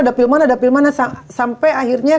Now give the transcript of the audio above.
dapil mana dapil mana sampai akhirnya